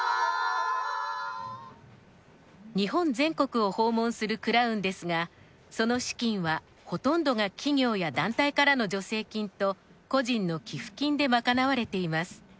日本全国を訪問するクラウンですがその資金はほとんどが企業や団体からの助成金と個人の寄付金で賄われています。